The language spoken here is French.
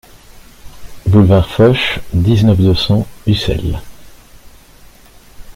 Boulevard Foch, dix-neuf, deux cents Ussel